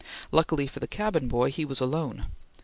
Luckily for the cabin boy, he was alone.